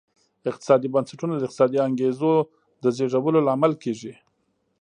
اقتصادي بنسټونه د اقتصادي انګېزو د زېږولو لامل کېږي.